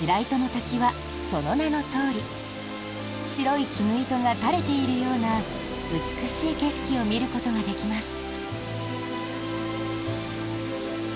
滝はその名のとおり白い絹糸が垂れているような美しい景色を見ることができます。